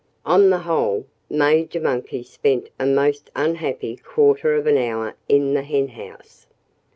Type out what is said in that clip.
On the whole, Major Monkey spent a most unhappy quarter of an hour in the henhouse.